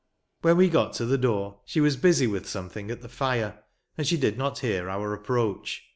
When we got to the door she was busy with something at the fire, and she did not hear our approach.